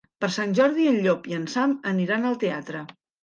Per Sant Jordi en Llop i en Sam aniran al teatre.